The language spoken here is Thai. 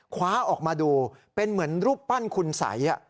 คว้าออกมาดูเป็นเหมือนรูปปั้นคุณสัย